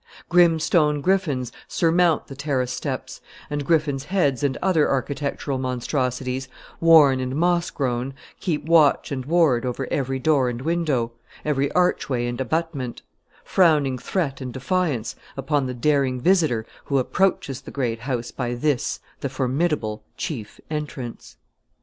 Grim stone griffins surmount the terrace steps, and griffins' heads and other architectural monstrosities, worn and moss grown, keep watch and ward over every door and window, every archway and abutment frowning threat and defiance upon the daring visitor who approaches the great house by this, the formidable chief entrance.